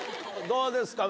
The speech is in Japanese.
どうですか？